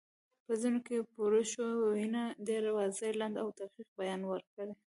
په ځینو کې پورشوي ویونه ډېر واضح، لنډ او دقیق بیان ورکوي